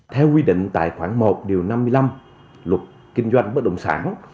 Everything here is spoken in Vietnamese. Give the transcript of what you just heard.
theo quy định tài khoản một năm mươi năm luật kinh doanh bất động sản